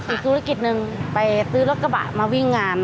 อีกธุรกิจหนึ่งไปซื้อรถกระบะมาวิ่งงาม